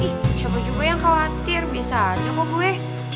ih siapa juga yang khawatir biasa aja mah gue